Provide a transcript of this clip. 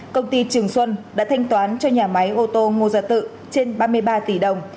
công ty trường xuân đã thanh toán cho nhà máy ô tô ngô gia tự trên ba mươi ba tỷ đồng